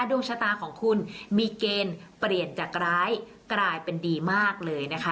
ดวงชะตาของคุณมีเกณฑ์เปลี่ยนจากร้ายกลายเป็นดีมากเลยนะคะ